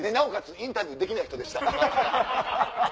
インタビューできない人でした。